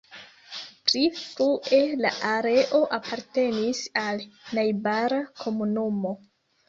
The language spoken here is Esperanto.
Pli frue la areo apartenis al najbara komunumo.